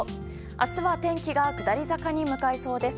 明日は天気が下り坂に向かいそうです。